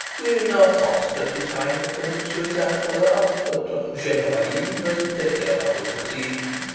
Women are constantly trying to commit suicide for love, but generally they take care not to succeed.